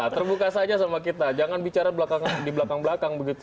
terbuka saja sama kita jangan bicara di belakang belakang begitu